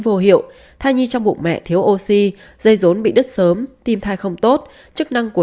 vô hiệu thai nhi trong bụng mẹ thiếu oxy dây rốn bị đứt sớm tim thai không tốt chức năng của